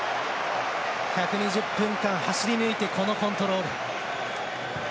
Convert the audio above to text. １２０分間、走り抜いてこのコントロール。